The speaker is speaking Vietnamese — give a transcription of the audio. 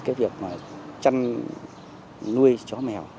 cái việc chăn nuôi chó mèo